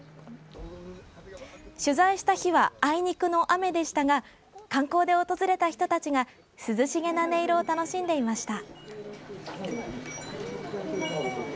取材した日はあいにくの雨でしたが観光で訪れた人たちが涼しげな音色を楽しんでいました。